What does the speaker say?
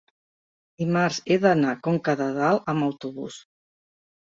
dimarts he d'anar a Conca de Dalt amb autobús.